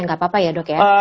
nggak apa apa ya dok ya